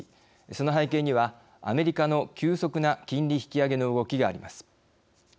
その背景には、アメリカの急速な金利引き上げの動きがあります。